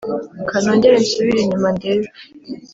kanongere nsubire inyuma ndebe